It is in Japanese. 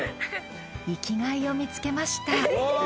生きがいを見つけました。